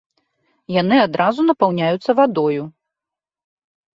Яны адразу напаўняюцца вадою.